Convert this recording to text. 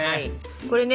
これね